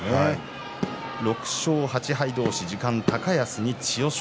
６勝８敗同士、時間高安に千代翔